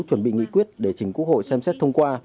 chuẩn bị nghị quyết để chính quốc hội xem xét thông qua